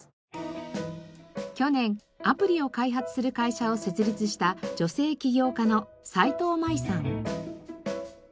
去年アプリを開発する会社を設立した女性起業家の齋藤舞さん。